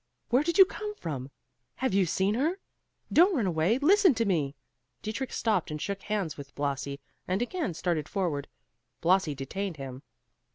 Where did you come from? Have you seen her? Don't run away! Listen to me!" Dietrich stopped and shook hands with Blasi, and again started forward. Blasi detained him.